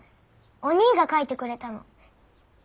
おにぃが描いてくれたの。